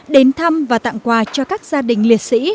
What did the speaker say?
đến thăm và tặng quà cho các gia đình liệt sĩ